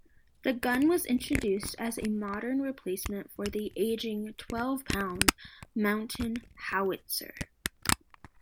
The gun was introduced as a modern replacement for the aging twelve-pound mountain howitzer.